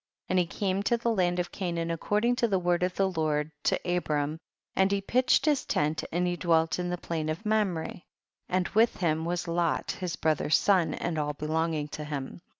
27. And he came to the land of Canaan according to the word of the Lord to Abram, and he pitched his tent and he dwelt in the plain of Mamre, and w^ith him was Lot his brother's son, and all belonging to him.